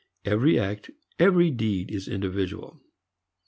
Every act, every deed is individual.